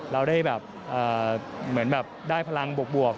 เราได้แบบเหมือนแบบได้พลังบวก